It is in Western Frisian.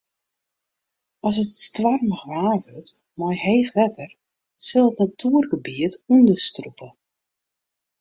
As it stoarmich waar wurdt mei heech wetter sil it natuergebiet ûnderstrûpe.